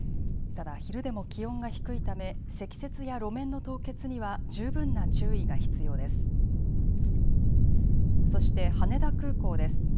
ただ昼でも気温が低いため積雪や路面の凍結には十分な注意が必要です。